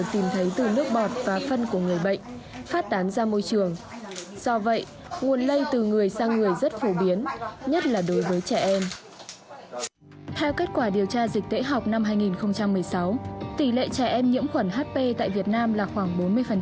theo kết quả điều tra dịch tễ học năm hai nghìn một mươi sáu tỷ lệ trẻ em nhiễm khuẩn hp tại việt nam là khoảng bốn mươi